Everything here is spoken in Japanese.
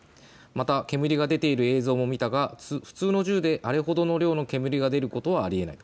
また煙が出ている映像も見たが普通の銃で、あれほどの量の煙が出ることはありえない。